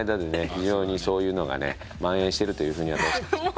非常にそういうのがねまん延してるというふうに。